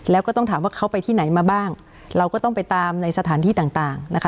แล้วก็ต้องถามว่าเขาไปที่ไหนมาบ้างเราก็ต้องไปตามในสถานที่ต่างต่างนะคะ